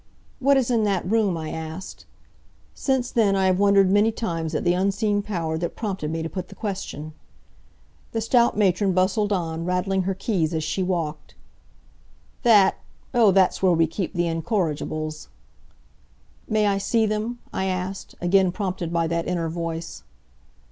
"What is in that room?" I asked. Since then I have wondered many times at the unseen power that prompted me to put the question. The stout matron bustled on, rattling her keys as she walked. "That oh, that's where we keep the incorrigibles." "May I see them?" I asked, again prompted by that inner voice.